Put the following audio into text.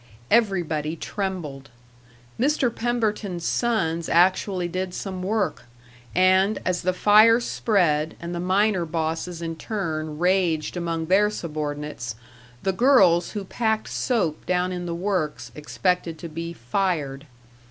Everybody trembled. Mr. Pemberton's sons actually did some work; and, as the fire spread and the minor bosses in turn raged among their subordinates, the girls who packed soap down in the works expected to be "fired."